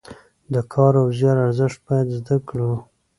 د کار او زیار ارزښت باید زده کړو.